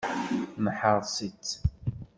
Neḥreṣ-itt.